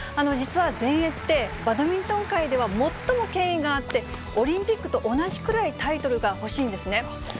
実は、全英ってバドミントン界では最も権威があって、オリンピックと同じくらいタイトルが欲しいんですね。